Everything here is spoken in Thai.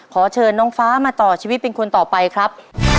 ขอเชิญน้องฟ้ามาต่อชีวิตเป็นคนต่อไปครับ